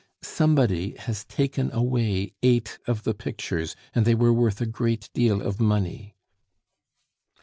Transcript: Somebody has taken away eight of the pictures, and they were worth a great deal of money."